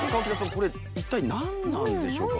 これ一体何なんでしょうか？